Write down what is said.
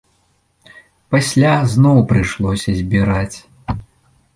Пасля зноў прыйшлося збіраць.